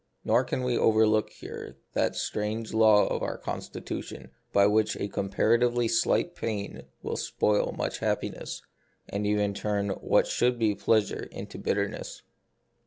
Nor can we overlook here that strange law of our consti tution by which a comparatively slight pain will spoil much happiness, and even turn what should be pleasure into bitterness.